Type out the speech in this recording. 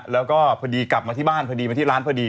แล้วก็พอดีกลับมาที่บ้านพอดีมาที่ร้านพอดี